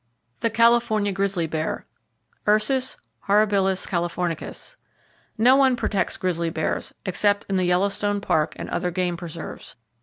The California Grizzly Bear, (Ursus horribilis californicus). —No one protects grizzly bears, except in the Yellowstone Park and other game preserves.